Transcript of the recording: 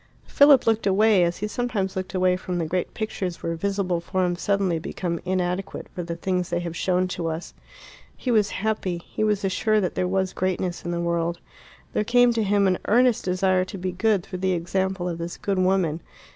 Philip looked away, as he sometimes looked away from the great pictures where visible forms suddenly become inadequate for the things they have shown to us. He was happy; he was assured that there was greatness in the world. There came to him an earnest desire to be good through the example of this good woman.